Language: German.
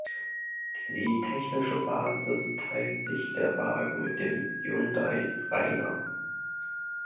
Die technische Basis teilt sich der Wagen mit dem Hyundai Reina.